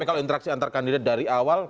tapi kalau interaksi antar kandidat dari awal